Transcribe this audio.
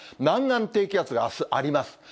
南岸低気圧があす、あります。